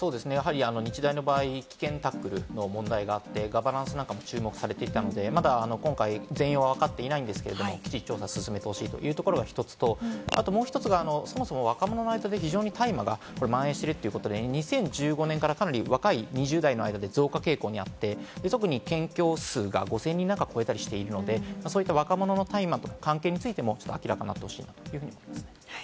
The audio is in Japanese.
日大の場合、危険タックルの問題があってガバナンスなんかも注目されていたんで、まだ今回、全容はわかっていないんですけれども、きちっと捜査を進めてほしいというのと、あと、そもそも若者の間で非常に大麻がまん延しているということで、２０１５年からかなり若い２０代の間で増加傾向にあって、特に検挙数が５０００人なんか超えたりしているんで、若者の大麻との関係についても明らかになってほしいと思います。